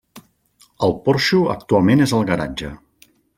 El porxo actualment és el garatge.